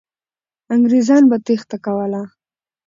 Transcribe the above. انګریزان به تېښته کوله.